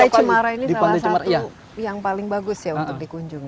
jadi pantai cemara ini salah satu yang paling bagus ya untuk dikunjungi